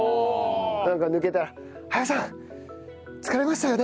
なんか抜けたら「相葉さん疲れましたよね」